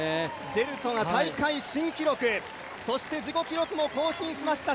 ジェルトが大会新記録そして自己記録も更新しました。